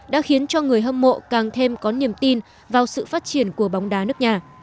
đã khiến cho người hâm mộ càng thêm có niềm tin vào sự phát triển của bóng đá nước nhà